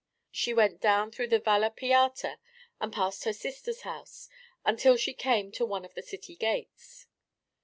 She went down through the Valle Piatta and past her sister's house until she came to one of the city gates.